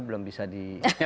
belum bisa di